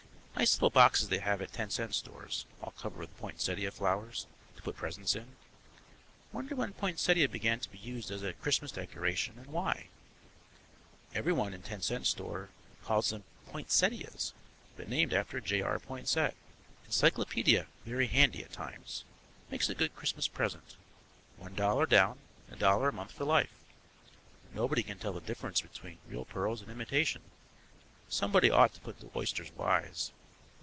Nice little boxes they have at the ten cent stores, all covered with poinsettia flowers, to put presents in. Wonder when poinsettia began to be used as a Christmas decoration and why? Everyone in ten cent store calls them "poinsettias," but named after J. R. Poinsett. Encyclopedia very handy at times; makes a good Christmas present, one dollar down and a dollar a month for life. Nobody can tell the difference between real pearls and imitation; somebody ought to put the oysters wise.